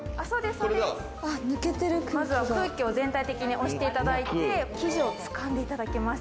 まずは空気を全体的に押していただいて、生地を掴んでいただきます。